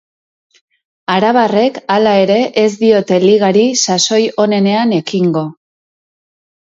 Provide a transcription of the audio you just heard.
Arabarrek, hala ere, ez diote ligari sasoi onenean ekingo.